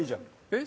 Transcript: えっ？